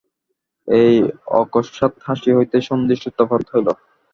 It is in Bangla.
এই অকস্মাৎ হাসি হইতে সন্ধির সূত্রপাত হইল।